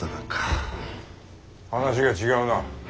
話が違うな。